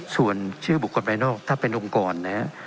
ส่วนชื่อบุคคลภายนอกถ้าเป็นองค์กรนะฮะ